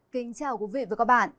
kính chào quý vị và các bạn